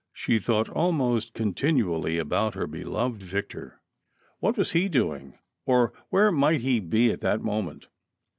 She thought almost continually about her beloved Victor. What was he doing, or where might he be, at that moment